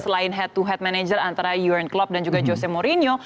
selain head to head manajer antara joran klopp dan juga jose mourinho